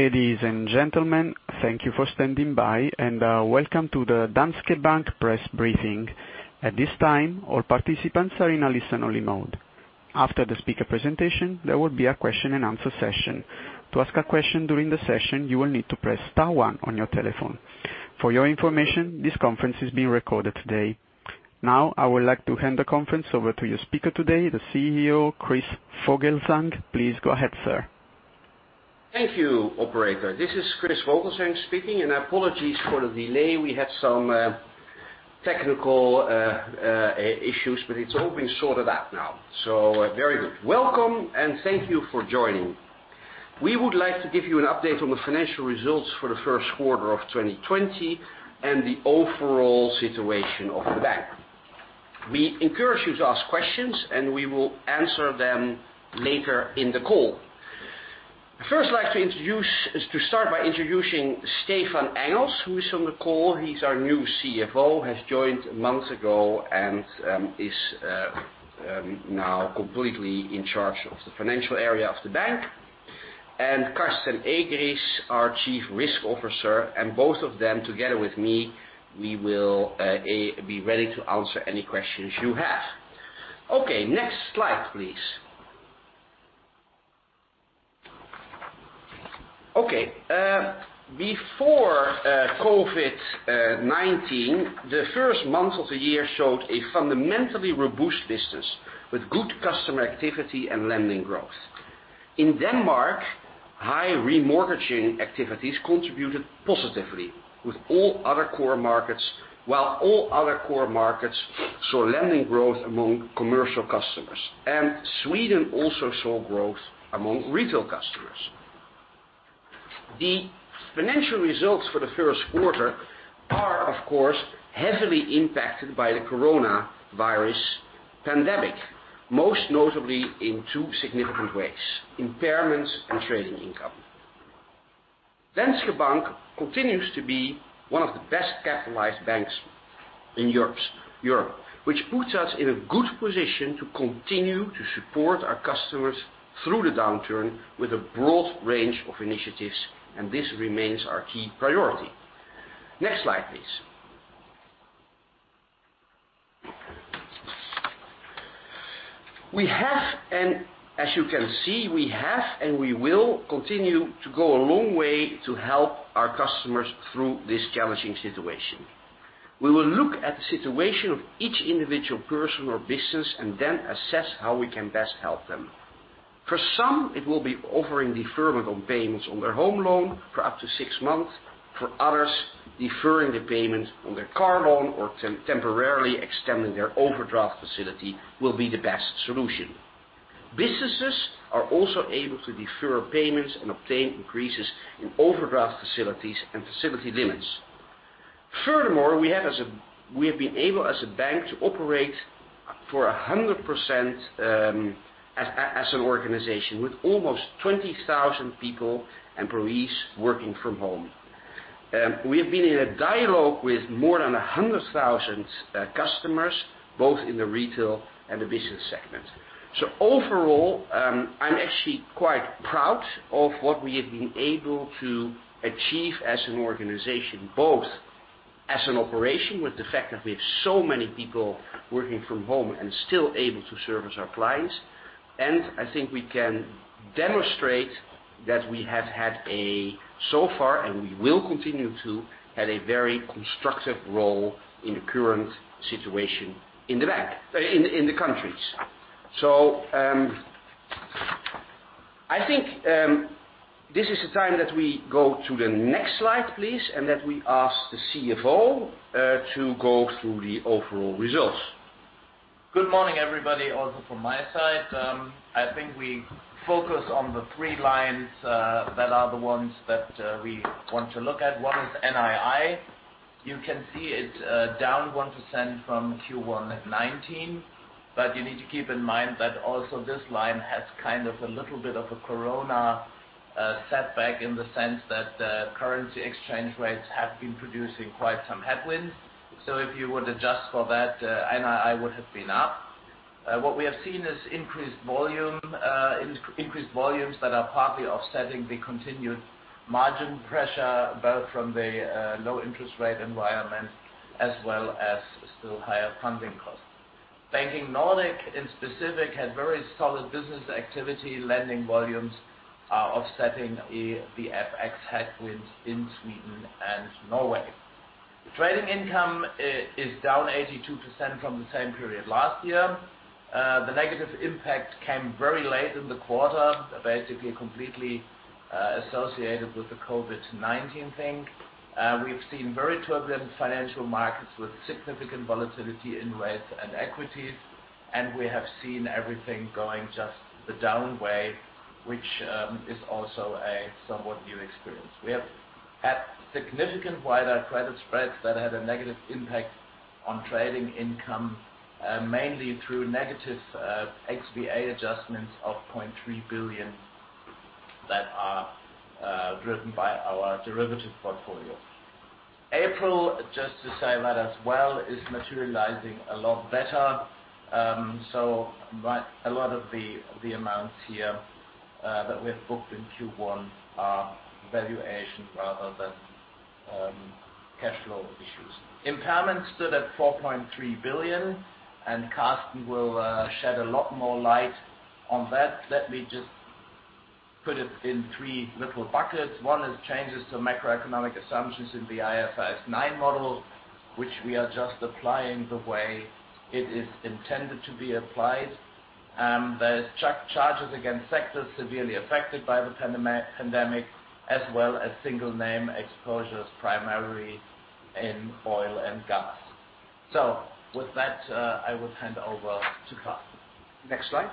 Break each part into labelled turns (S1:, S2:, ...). S1: Ladies and gentlemen, thank you for standing by, and welcome to the Danske Bank press briefing. At this time, all participants are in a listen-only mode. After the speaker presentation, there will be a question-and-answer session. To ask a question during the session, you will need to press star one on your telephone. For your information, this conference is being recorded today. Now, I would like to hand the conference over to your speaker today, the CEO, Chris Vogelzang. Please go ahead, sir.
S2: Thank you, operator. This is Chris Vogelzang speaking, and apologies for the delay. We had some technical issues, but it's all been sorted out now, so very good. Welcome, and thank you for joining. We would like to give you an update on the financial results for the first quarter of 2020 and the overall situation of the bank. We encourage you to ask questions, and we will answer them later in the call. I'd first like to start by introducing Stephan Engels, who is on the call. He's our new CFO, has joined months ago, and is now completely in charge of the financial area of the bank. Carsten Egeriis, our Chief Risk Officer, and both of them, together with me, we will be ready to answer any questions you have. Okay, next slide, please. Okay. Before COVID-19, the first month of the year showed a fundamentally robust business with good customer activity and lending growth. In Denmark, high remortgaging activities contributed positively, while all other core markets saw lending growth among commercial customers. Sweden also saw growth among retail customers. The financial results for the first quarter are, of course, heavily impacted by the coronavirus pandemic, most notably in two significant ways, impairments and trading income. Danske Bank continues to be one of the best-capitalized banks in Europe, which puts us in a good position to continue to support our customers through the downturn with a broad range of initiatives, and this remains our key priority. Next slide, please. As you can see, we have and we will continue to go a long way to help our customers through this challenging situation. We will look at the situation of each individual person or business and then assess how we can best help them. For some, it will be offering deferment on payments on their home loan for up to six months. For others, deferring the payment on their car loan or temporarily extending their overdraft facility will be the best solution. Businesses are also able to defer payments and obtain increases in overdraft facilities and facility limits. Furthermore, we have been able, as a bank, to operate for 100% as an organization with almost 20,000 people, employees working from home. We have been in a dialogue with more than 100,000 customers, both in the retail and the business segment. Overall, I'm actually quite proud of what we have been able to achieve as an organization, both as an operation with the fact that we have so many people working from home and still able to service our clients, and I think we can demonstrate that we have had so far and we will continue to have a very constructive role in the current situation in the countries. I think this is the time that we go to the next slide, please, and that we ask the CFO to go through the overall results.
S3: Good morning, everybody, also from my side. I think we focus on the three lines that are the ones that we want to look at. One is NII. You can see it's down 1% from Q1 2019. You need to keep in mind that also this line has kind of a little bit of a corona setback in the sense that currency exchange rates have been producing quite some headwinds. If you would adjust for that, NII would have been up. What we have seen is increased volumes that are partly offsetting the continued margin pressure, both from the low interest rate environment as well as still higher funding costs. Banking Nordic in specific had very solid business activity. Lending volumes are offsetting the FX headwinds in Sweden and Norway. The trading income is down 82% from the same period last year. The negative impact came very late in the quarter, basically completely associated with the COVID-19 thing. We've seen very turbulent financial markets with significant volatility in rates and equities, and we have seen everything going just the down way, which is also a somewhat new experience. We have had significant wider credit spreads that had a negative impact on trading income, mainly through negative XVA adjustments of 0.3 billion that are driven by our derivative portfolio.
S2: April, just to say that as well, is materializing a lot better. A lot of the amounts here that we have booked in Q1 are valuation rather than cashflow issues. Impairments stood at 4.3 billion and Carsten will shed a lot more light on that. Let me just put it in three little buckets. One is changes to macroeconomic assumptions in the IFRS 9 model, which we are just applying the way it is intended to be applied. There's charges against sectors severely affected by the pandemic, as well as single name exposures, primarily in oil and gas. With that, I will hand over to Carsten. Next slide.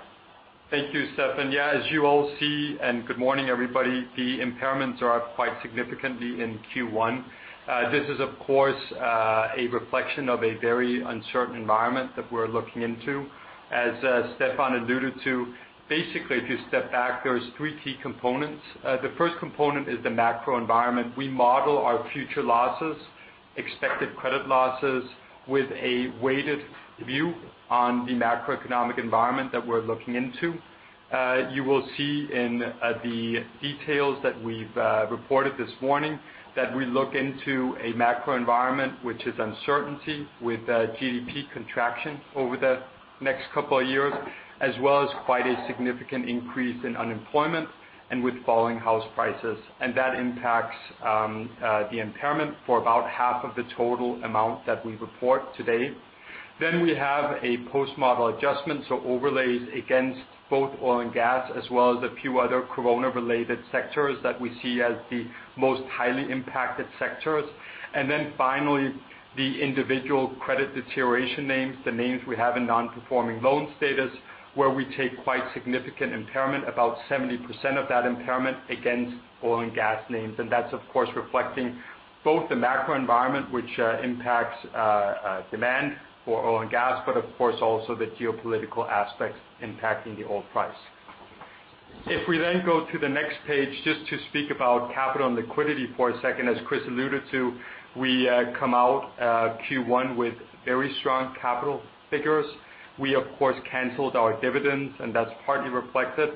S4: Thank you, Stephan. Yeah, as you all see, good morning, everybody. The impairments are up quite significantly in Q1. This is, of course, a reflection of a very uncertain environment that we're looking into. As Stephan alluded to, basically if you step back, there is three key components. The first component is the macro environment. We model our future losses, expected credit losses, with a weighted view on the macroeconomic environment that we're looking into. You will see in the details that we've reported this morning that we look into a macro environment which is uncertainty with GDP contraction over the next couple of years, as well as quite a significant increase in unemployment and with falling house prices. That impacts the impairment for about half of the total amount that we report today. We have a post-model adjustment, so overlays against both oil and gas, as well as a few other corona-related sectors that we see as the most highly impacted sectors. Finally, the individual credit deterioration names, the names we have in non-performing loan status, where we take quite significant impairment, about 70% of that impairment against oil and gas names. That's, of course, reflecting both the macro environment, which impacts demand for oil and gas, but of course also the geopolitical aspects impacting the oil price. If we then go to the next page, just to speak about capital and liquidity for a second. As Chris alluded to, we come out Q1 with very strong capital figures. We of course canceled our dividends, and that's partly reflected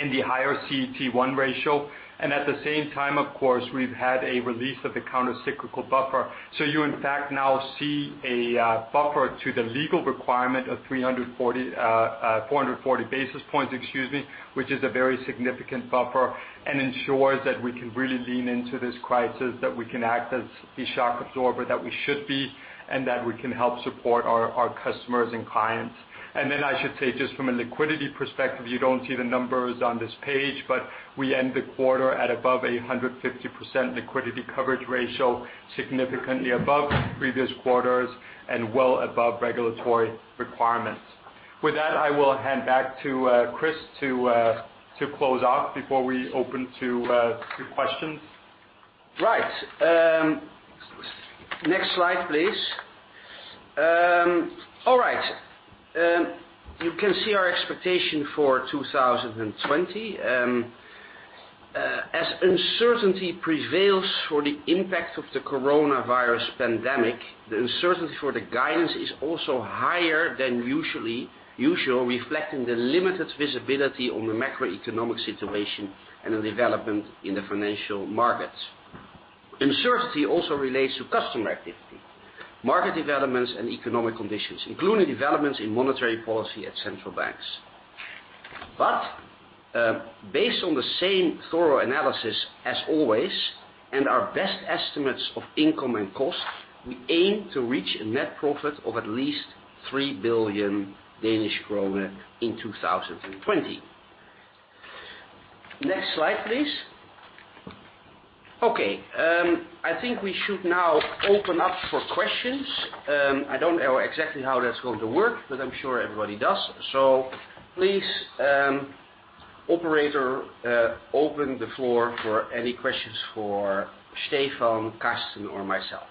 S4: in the higher CET1 ratio. At the same time, of course, we've had a release of the countercyclical buffer. You in fact now see a buffer to the legal requirement of 440 basis points, excuse me, which is a very significant buffer and ensures that we can really lean into this crisis, that we can act as the shock absorber that we should be, and that we can help support our customers and clients. I should say, just from a liquidity perspective, you don't see the numbers on this page, but we end the quarter at above 150% liquidity coverage ratio, significantly above previous quarters and well above regulatory requirements. With that, I will hand back to Chris to close off before we open to questions.
S2: Right. Next slide, please. All right. You can see our expectation for 2020. As uncertainty prevails for the impact of the coronavirus pandemic, the uncertainty for the guidance is also higher than usual, reflecting the limited visibility on the macroeconomic situation and the development in the financial markets. Uncertainty also relates to customer activity, market developments and economic conditions, including developments in monetary policy at central banks. Based on the same thorough analysis as always and our best estimates of income and cost, we aim to reach a net profit of at least 3 billion Danish kroner in 2020. Next slide, please. Okay. I think we should now open up for questions. I don't know exactly how that's going to work, but I'm sure everybody does. Please, operator, open the floor for any questions for Stephan, Carsten or myself.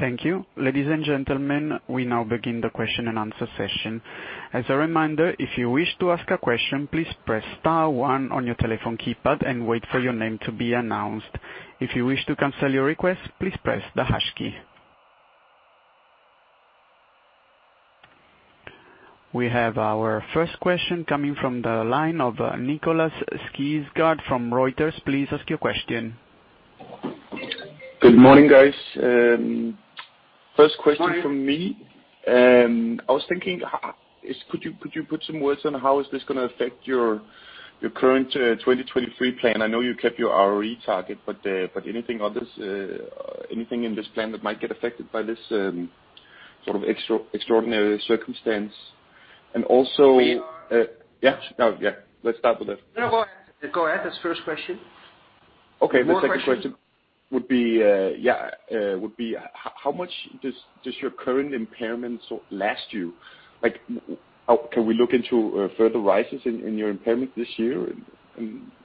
S1: Thank you. Ladies and gentlemen, we now begin the question-and-answer session. As a reminder, if you wish to ask a question, please press star one on your telephone keypad and wait for your name to be announced. If you wish to cancel your request, please press the hash key. We have our first question coming from the line of Nikolaj Skydsgaard from Reuters. Please ask your question.
S5: Good morning, guys. First question.
S2: Morning
S5: from me. I was thinking, could you put some words on how is this going to affect your current 2023 plan? I know you kept your ROE target, but anything in this plan that might get affected by this sort of extraordinary circumstance?
S2: We are-
S5: Yeah. No, yeah. Let's start with.
S2: No, go ahead. That's the first question.
S5: Okay.
S2: Second question.
S5: The second question would be how much does your current impairment last you? Can we look into further rises in your impairment this year?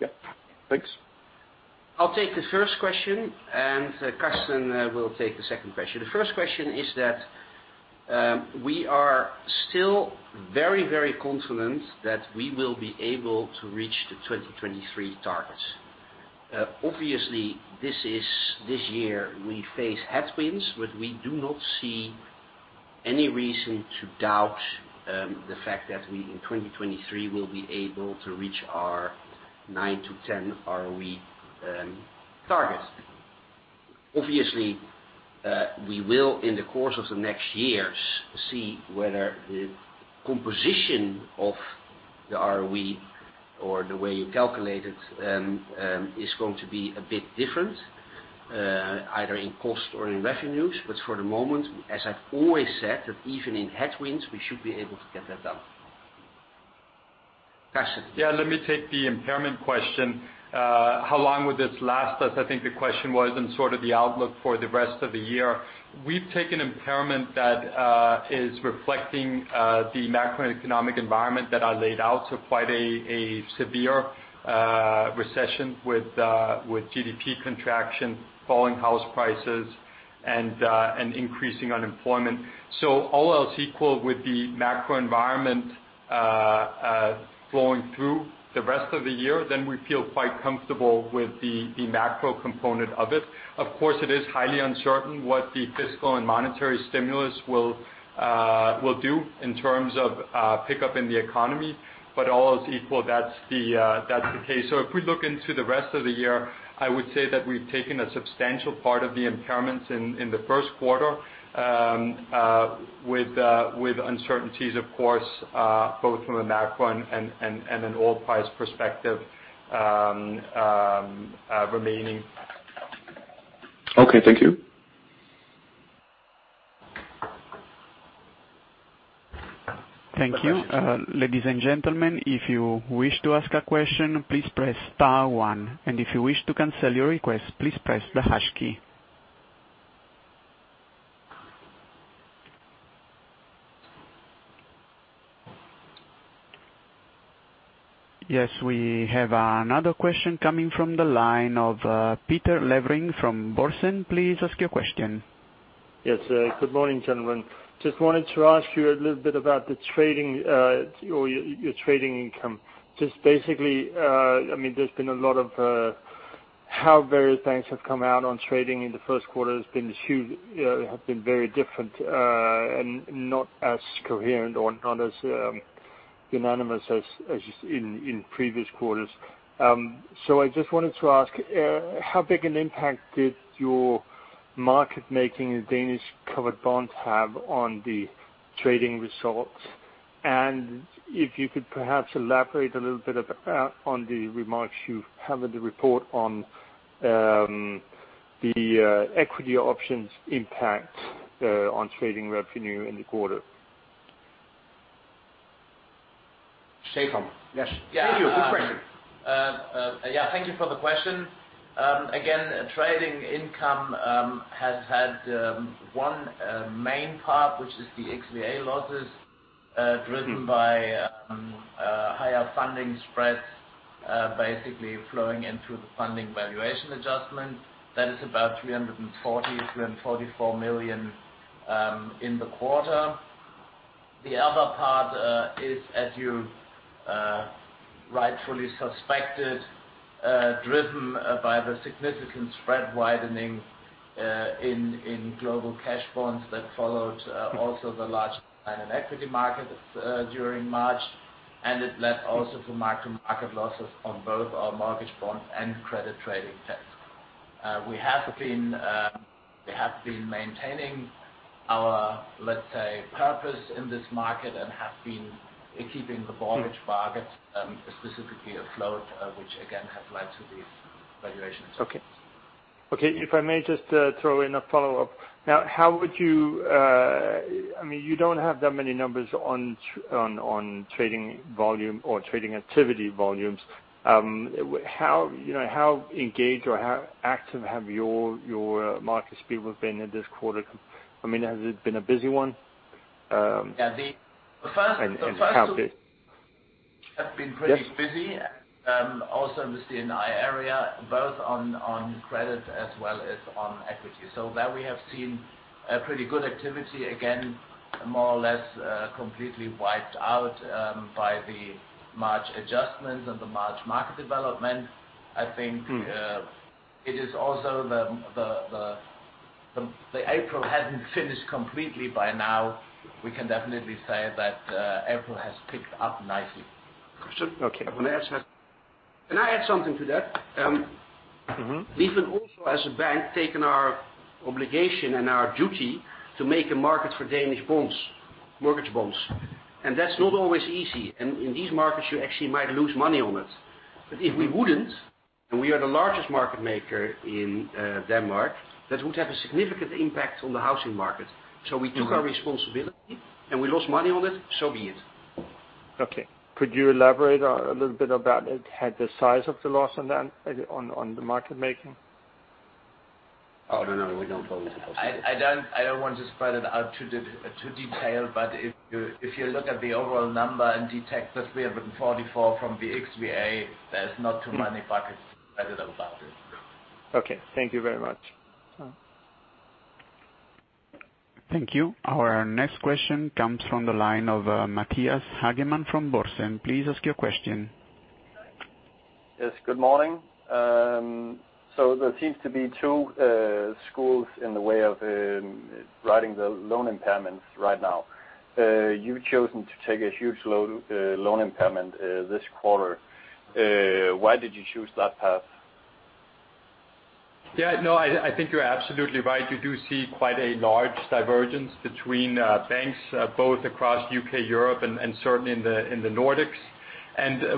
S5: Yeah, thanks.
S2: I'll take the first question. Carsten will take the second question. The first question is, we are still very, very confident that we will be able to reach the 2023 targets. Obviously, this year we face headwinds. We do not see any reason to doubt the fact that we, in 2023, will be able to reach our 9 to 10 ROE target. Obviously, we will, in the course of the next years, see whether the composition of the ROE or the way you calculate it is going to be a bit different, either in cost or in revenues. For the moment, as I've always said, that even in headwinds, we should be able to get that done. Carsten.
S4: Yeah, let me take the impairment question. How long will this last us, I think the question was, and sort of the outlook for the rest of the year. We've taken impairment that is reflecting the macroeconomic environment that I laid out, quite a severe recession with GDP contraction, falling house prices, and increasing unemployment. All else equal with the macro environment flowing through the rest of the year, then we feel quite comfortable with the macro component of it. Of course, it is highly uncertain what the fiscal and monetary stimulus will do in terms of pickup in the economy. All is equal, that's the case. If we look into the rest of the year, I would say that we've taken a substantial part of the impairments in the first quarter, with uncertainties of course, both from a macro and an oil price perspective remaining.
S5: Okay, thank you.
S1: Thank you. Ladies and gentlemen, if you wish to ask a question, please press star one, and if you wish to cancel your request, please press the hash key. Yes, we have another question coming from the line of Peter Levring from Børsen. Please ask your question.
S6: Yes. Good morning, gentlemen. Just wanted to ask you a little bit about your trading income. Just basically, there's been a lot of how various banks have come out on trading in the first quarter has been very different, and not as coherent or not as unanimous as in previous quarters. I just wanted to ask, how big an impact did your market making in Danish covered bonds have on the trading results? If you could perhaps elaborate a little bit on the remarks you have in the report on the equity options impact on trading revenue in the quarter.
S4: Stefan.
S3: Yes.
S2: Good question.
S3: Yeah. Thank you for the question. Again, trading income has had one main part, which is the XVA losses driven by higher funding spreads, basically flowing into the funding valuation adjustment. That is about 340 million, 344 million in the quarter. The other part is, as you rightfully suspected, driven by the significant spread widening in global cash bonds that followed also the large equity market during March. It led also to market losses on both our mortgage bonds and credit trading assets. We have been maintaining our, let's say, purpose in this market and have been keeping the mortgage markets specifically afloat, which again, has led to these valuations.
S6: Okay. If I may just throw in a follow-up. You don't have that many numbers on trading volume or trading activity volumes. How engaged or how active have your markets people been in this quarter? Has it been a busy one?
S3: The first two have been pretty busy. In the C&I area, both on credit as well as on equity. There we have seen pretty good activity, again, more or less completely wiped out by the March adjustments and the March market development. I think it is also the April hadn't finished completely by now. We can definitely say that April has picked up nicely.
S6: Okay.
S2: Can I add something to that? We've also, as a bank, taken our obligation and our duty to make a market for Danish bonds, mortgage bonds. That's not always easy. In these markets, you actually might lose money on it. If we wouldn't, and we are the largest market maker in Denmark, that would have a significant impact on the housing market. We took our responsibility, and we lost money on it, so be it.
S6: Okay. Could you elaborate a little bit about it, the size of the loss on the market making?
S2: No, we don't always disclose that.
S3: I don't want to spread it out to detail, but if you look at the overall number and detect the 344 from the XVA, there's not too many buckets to spread it about it.
S6: Okay. Thank you very much.
S1: Thank you. Our next question comes from the line of Mathias Hagemann from Børsen. Please ask your question.
S7: Yes, good morning. There seems to be two schools in the way of writing the loan impairments right now. You've chosen to take a huge loan impairment this quarter. Why did you choose that path?
S4: Yeah. No, I think you're absolutely right. You do see quite a large divergence between banks, both across U.K., Europe, and certainly in the Nordics.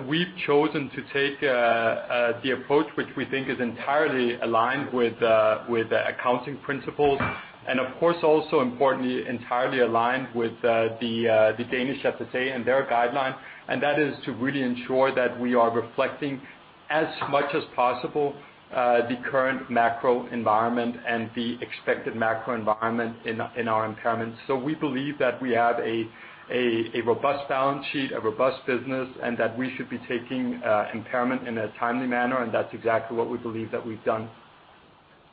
S4: We've chosen to take the approach which we think is entirely aligned with accounting principles and, of course, also importantly, entirely aligned with the Danish FSA and their guideline, and that is to really ensure that we are reflecting as much as possible the current macro environment and the expected macro environment in our impairments. We believe that we have a robust balance sheet, a robust business, and that we should be taking impairment in a timely manner, and that's exactly what we believe that we've done.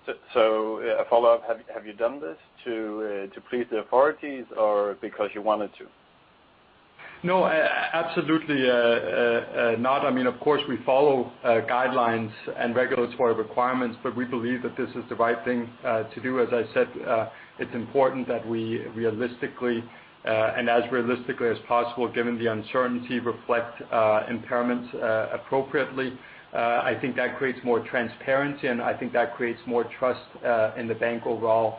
S7: A follow-up, have you done this to please the authorities or because you wanted to?
S4: No, absolutely not. Of course, we follow guidelines and regulatory requirements, but we believe that this is the right thing to do. As I said, it's important that we realistically, and as realistically as possible, given the uncertainty, reflect impairments appropriately. I think that creates more transparency, and I think that creates more trust in the bank overall.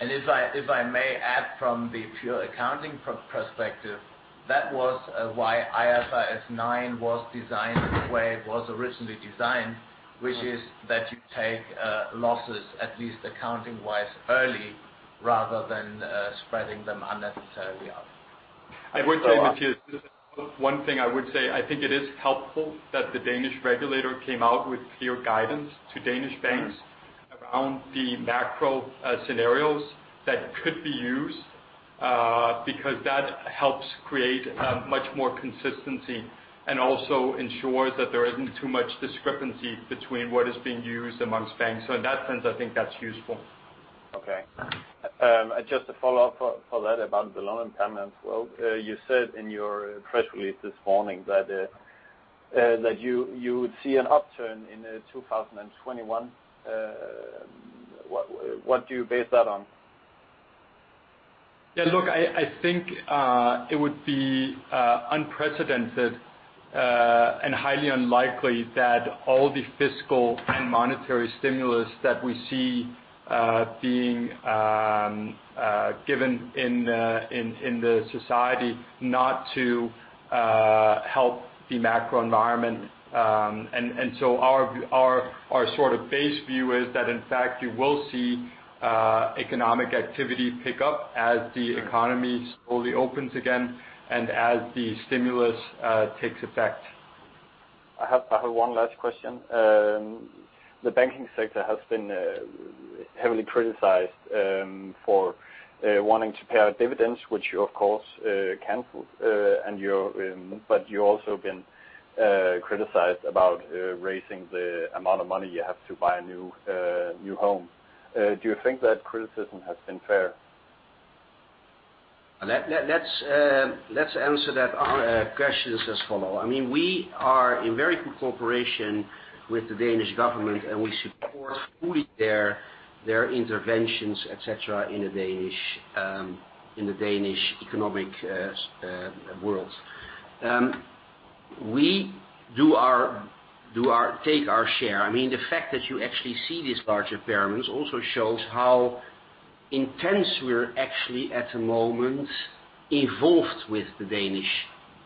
S2: If I may add from the pure accounting perspective, that was why IFRS 9 was designed the way it was originally designed, which is that you take losses, at least accounting-wise, early rather than spreading them unnecessarily out.
S4: One thing I would say, I think it is helpful that the Danish Regulator came out with clear guidance to Danish banks around the macro scenarios that could be used, because that helps create much more consistency and also ensures that there isn't too much discrepancy between what is being used amongst banks. In that sense, I think that's useful.
S7: Okay. Just a follow-up for that about the loan impairments. You said in your press release this morning that you would see an upturn in 2021. What do you base that on?
S4: Yeah, look, I think it would be unprecedented and highly unlikely that all the fiscal and monetary stimulus that we see being given in the society not to help the macro environment. Our base view is that in fact, you will see economic activity pick up as the economy slowly opens again and as the stimulus takes effect.
S7: I have one last question. The banking sector has been heavily criticized for wanting to pay out dividends, which you of course canceled, but you also been criticized about raising the amount of money you have to buy a new home. Do you think that criticism has been fair?
S2: Let's answer that question as follows. We are in very good cooperation with the Danish government, and we support fully their interventions, et cetera, in the Danish economic world. We take our share. The fact that you actually see these large impairments also shows how intense we're actually, at the moment, involved with the Danish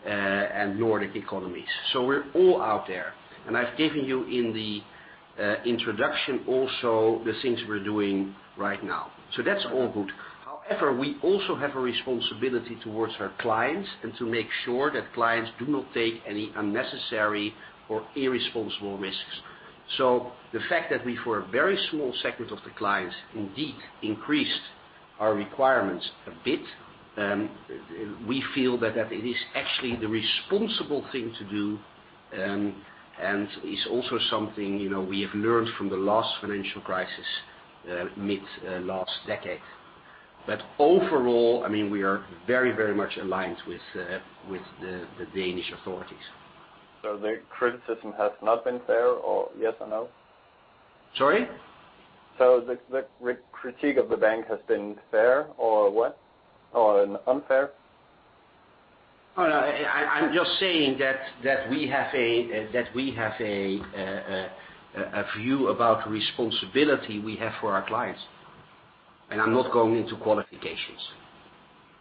S2: and Nordic economies. We're all out there. I've given you in the introduction also the things we're doing right now. That's all good. However, we also have a responsibility towards our clients and to make sure that clients do not take any unnecessary or irresponsible risks. The fact that we, for a very small segment of the clients, indeed increased our requirements a bit, we feel that it is actually the responsible thing to do and is also something we have learned from the last financial crisis, mid last decade. Overall, we are very, very much aligned with the Danish authorities.
S7: The criticism has not been fair, or yes or no?
S2: Sorry?
S7: The critique of the bank has been fair or what? Or unfair?
S2: Oh, no, I'm just saying that we have a view about responsibility we have for our clients. I'm not going into qualifications.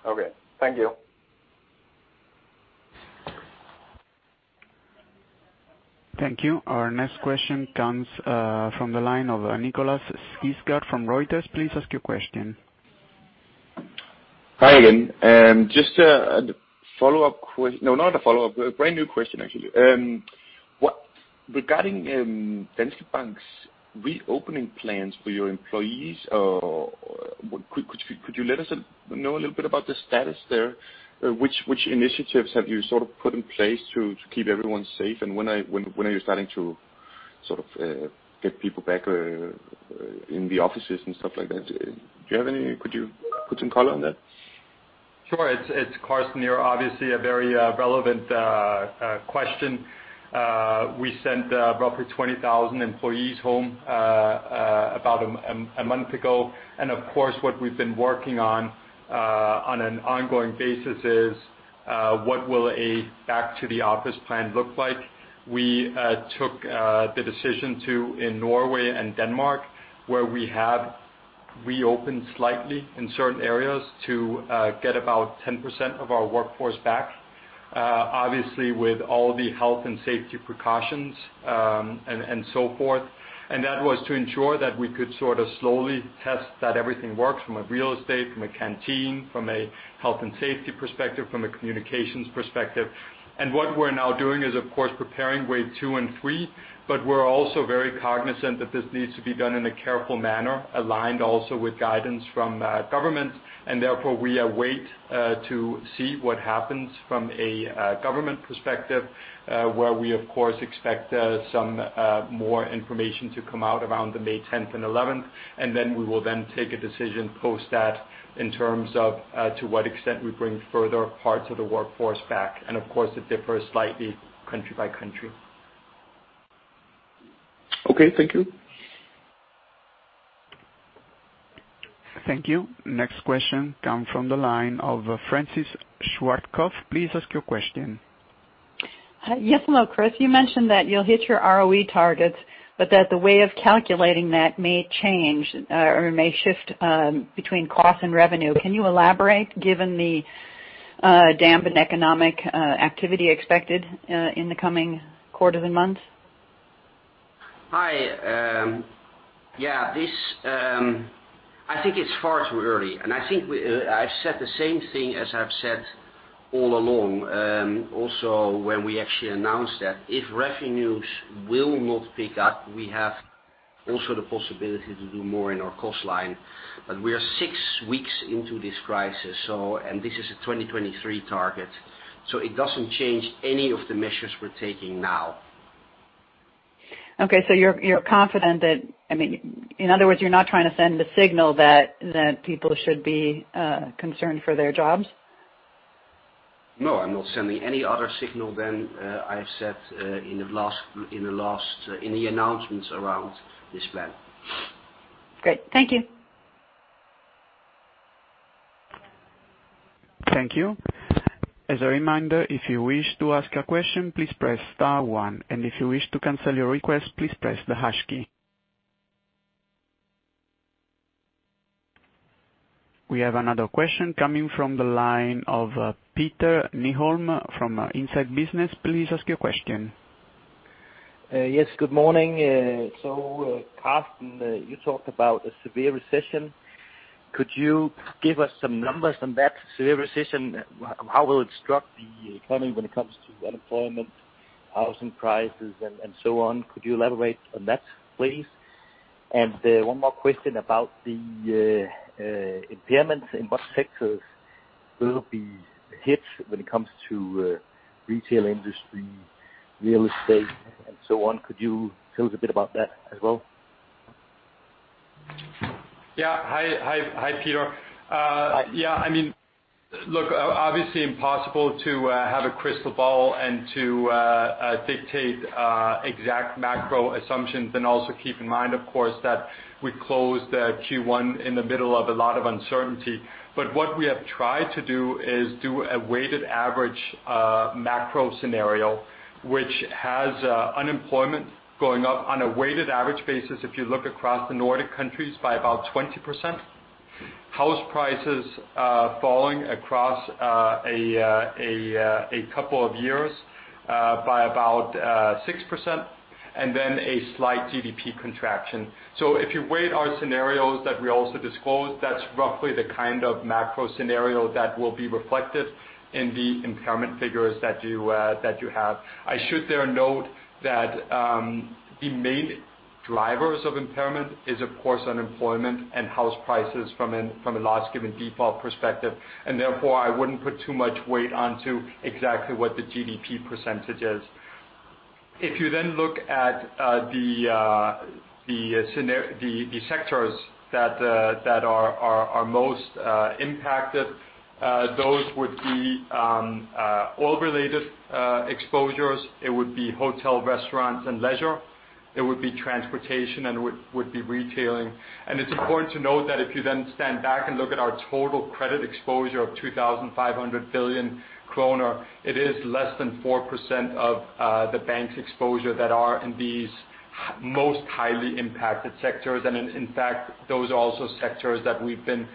S7: Okay. Thank you.
S1: Thank you. Our next question comes from the line of Nikolaj Skydsgaard from Reuters. Please ask your question.
S5: Hi again. Just a follow-up question. No, not a follow-up, a brand new question, actually. Regarding Danske Bank's reopening plans for your employees. Could you let us know a little bit about the status there? Which initiatives have you put in place to keep everyone safe? When are you starting to get people back in the offices and stuff like that? Could you put some color on that?
S4: Sure. It's Carsten here. Obviously, a very relevant question. We sent roughly 20,000 employees home about a month ago. Of course, what we've been working on an ongoing basis, is what will a back to the office plan look like. We took the decision to, in Norway and Denmark, where we have reopened slightly in certain areas to get about 10% of our workforce back. Obviously, with all the health and safety precautions, and so forth. That was to ensure that we could slowly test that everything works from a real estate, from a canteen, from a health and safety perspective, from a communications perspective. What we're now doing is, of course, preparing wave two and three, we're also very cognizant that this needs to be done in a careful manner, aligned also with guidance from government. Therefore, we await to see what happens from a government perspective, where we, of course, expect some more information to come out around the May 10th and 11th. We will then take a decision post that in terms of to what extent we bring further parts of the workforce back. Of course, it differs slightly country by country.
S5: Okay, thank you.
S1: Thank you. Next question comes from the line of Frances Schwartzkopff. Please ask your question.
S8: Yes. Hello, Chris. You mentioned that you'll hit your ROE targets, but that the way of calculating that may change or may shift between cost and revenue. Can you elaborate given the dampened economic activity expected in the coming quarters and months?
S2: Hi. Yeah. I think it's far too early, and I think I've said the same thing as I've said all along. Also, when we actually announced that if revenues will not pick up, we have also the possibility to do more in our cost line. We are six weeks into this crisis, and this is a 2023 target, so it doesn't change any of the measures we're taking now.
S8: Okay, you're confident that, in other words, you're not trying to send the signal that people should be concerned for their jobs?
S2: No, I'm not sending any other signal than I've said in the announcements around this plan.
S8: Great. Thank you.
S1: Thank you. As a reminder, if you wish to ask a question, please press star one, and if you wish to cancel your request, please press the hash key. We have another question coming from the line of Peter Nyholm from InsideBusiness. Please ask your question.
S9: Yes, good morning. Carsten, you talked about a severe recession. Could you give us some numbers on that severe recession? How will it struck the economy when it comes to unemployment, housing prices, and so on? Could you elaborate on that, please? One more question about the impairments. In what sectors will be hit when it comes to retail industry, real estate, and so on? Could you tell us a bit about that as well?
S4: Yeah. Hi, Peter.
S9: Hi.
S4: Yeah. Look, obviously impossible to have a crystal ball and to dictate exact macro assumptions. Also keep in mind, of course, that we closed Q1 in the middle of a lot of uncertainty. What we have tried to do is do a weighted average macro scenario, which has unemployment going up on a weighted average basis, if you look across the Nordic countries, by about 20%. House prices falling across a couple of years by about 6%, and then a slight GDP contraction. If you weight our scenarios that we also disclose, that's roughly the kind of macro scenario that will be reflected in the impairment figures that you have. I should there note that the main drivers of impairment is, of course, unemployment and house prices from a loss given default perspective. Therefore, I wouldn't put too much weight onto exactly what the GDP percentage is. If you then look at the sectors that are most impacted, those would be oil-related exposures. It would be hotel, restaurants, and leisure. It would be transportation and would be retailing. It's important to note that if you then stand back and look at our total credit exposure of 2,500 billion kroner, it is less than 4% of the bank's exposure that are in these most highly impacted sectors. In fact, those are also sectors that we've been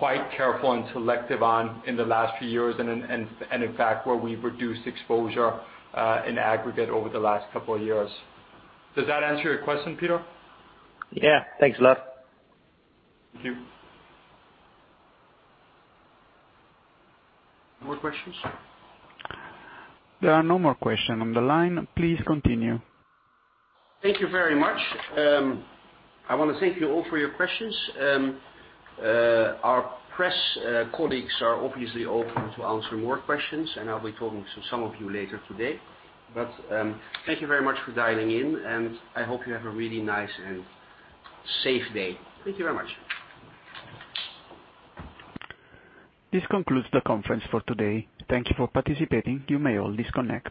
S4: quite careful and selective on in the last few years, and in fact, where we've reduced exposure in aggregate over the last couple of years. Does that answer your question, Peter?
S9: Yeah. Thanks a lot.
S4: Thank you.
S2: More questions?
S1: There are no more questions on the line. Please continue.
S2: Thank you very much. I want to thank you all for your questions. Our press colleagues are obviously open to answer more questions, and I'll be talking to some of you later today. Thank you very much for dialing in, and I hope you have a really nice and safe day. Thank you very much.
S1: This concludes the conference for today. Thank you for participating. You may all disconnect.